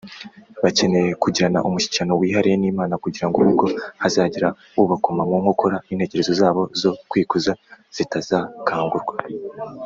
bakeneye kugirana umushyikirano wihariye n’imana, kugira ngo ubwo hazagira ubakoma mu nkokora, intekerezo zabo zo kwikuza zitazakangurwa,